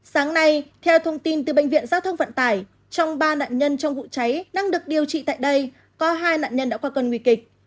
sáng nay theo thông tin từ bệnh viện giao thông vận tải trong ba nạn nhân trong vụ cháy đang được điều trị tại đây có hai nạn nhân đã qua cơn nguy kịch